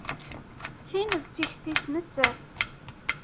Tin d tikti-s nettat.